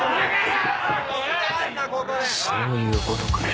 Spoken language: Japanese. そういうことかよ。